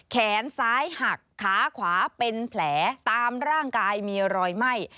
แขนซ้ายหักขาขวาเป็นแผลตามร่างกายมีรอยไหม้